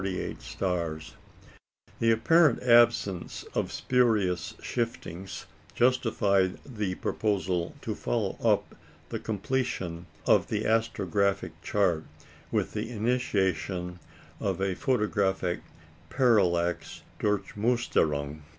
The apparent absence of spurious shiftings justified the proposal to follow up the completion of the Astrographic Chart with the initiation of a photographic "Parallax Durchmusterung."